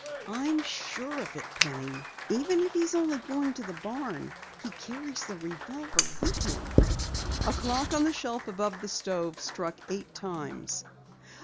"I'm sure of it, Penny. Even if he's only going to the barn he carries the revolver with him." A clock on the shelf above the stove struck eight times.